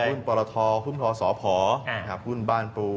หุ้นพรโทสผหุ้นบ้านปลู